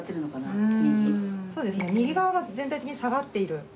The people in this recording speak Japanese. そうですね右側が全体的に下がっている。